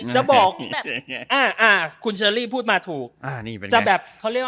จะบอกคุณเชอรี่พูดมาถูก